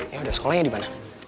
yaudah sekolahnya dimana